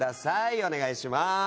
お願いしまーす。